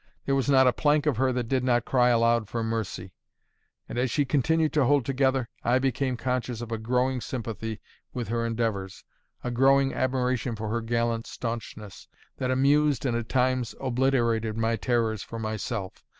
There was not a plank of her that did not cry aloud for mercy; and as she continued to hold together, I became conscious of a growing sympathy with her endeavours, a growing admiration for her gallant staunchness, that amused and at times obliterated my terrors for myself.